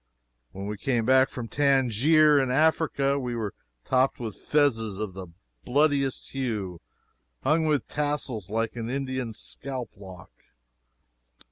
When we came back from Tangier, in Africa, we were topped with fezzes of the bloodiest hue, hung with tassels like an Indian's scalp lock.